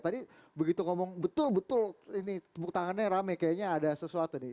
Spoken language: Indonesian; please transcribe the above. tadi begitu ngomong betul betul ini tepuk tangannya rame kayaknya ada sesuatu nih